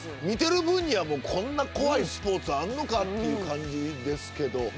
見てる分にはこんな怖いスポーツあんのかっていう感じですけど。